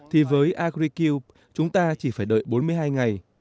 thì với agricub chúng ta chỉ phải đợi bốn mươi hai ngày